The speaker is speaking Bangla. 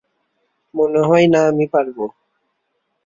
মনে হয় না আমি পারবো।